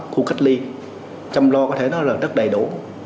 khu cách ly chăm lo có thể nói là rất đầy đủ